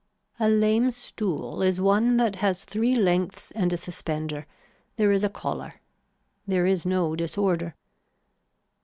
A lame stool is one that has three lengths and a suspender, there is a collar. There is no disorder.